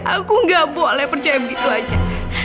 aku gak boleh percaya begitu aja